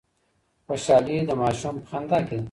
خوشحالي د ماشوم په خندا کي ده.